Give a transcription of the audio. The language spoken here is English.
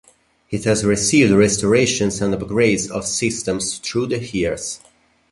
It has received restorations and upgrades of systems through the years.